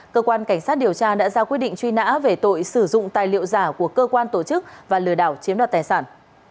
cơ quan cảnh sát điều tra đã ra quyết định truy nã về tội sử dụng tài liệu giả của cơ quan tổ chức và lừa đảo chiếm đoạt tài sản